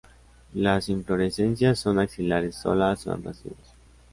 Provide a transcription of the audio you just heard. Las inflorescencias son axilares solas o en racimos.